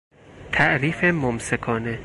تعریف ممسکانه